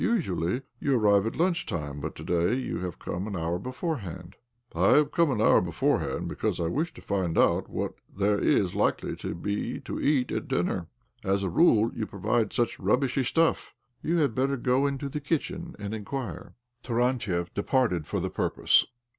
Usually you arrive at lunch time, but to day you have come an hour beforehand." 52 OBLOMOV " I have come an hour beforehand because I wish to find out what there is likely to be to eat at dinner As a rule you provide such rubbishy stuff." " You had better go into the kitchen and inquire." Tarantiev departed for the purpose.